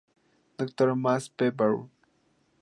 Dr. Max P. Baur.